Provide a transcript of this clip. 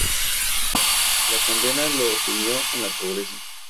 La condena lo sumió en la pobreza.